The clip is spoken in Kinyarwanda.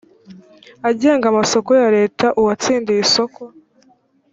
agenga amasoko ya leta uwatsindiye isoko